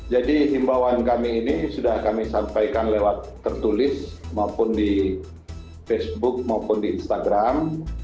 jadi imbawan kami ini sudah kami sampaikan lewat tertulis maupun di facebook maupun di instagram